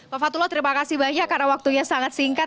pak fatullah terima kasih banyak karena waktunya sangat singkat